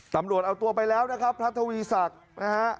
ตำรวจเอาตัวไปแล้วนะครับพระทวีศักดิ์นะฮะ